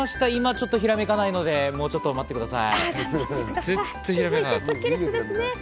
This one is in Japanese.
今ちょっとひらめかないので待ってください。